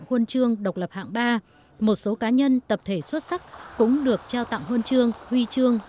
huân chương độc lập hạng ba một số cá nhân tập thể xuất sắc cũng được trao tặng huân chương huy chương